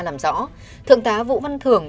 làm rõ thượng tá vũ văn thưởng